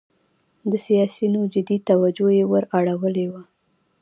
د سیاسینو جدي توجه یې وراړولې وه.